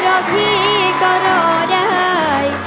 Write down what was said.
เจ้าสักทีก็รอได้